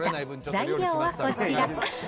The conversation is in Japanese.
材料はこちら。